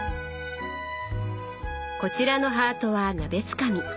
こちらのハートは鍋つかみ。